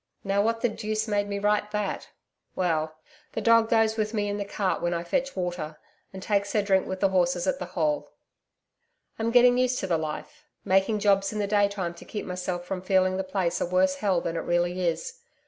Now, what the deuce made me write that! Well, the dog goes with me in the cart when I fetch water, and takes her drink with the horses at the hole. [*Poddy to bring up by hand.] I'm getting used to the life making jobs in the daytime to keep myself from feeling the place a worse hell than it really is.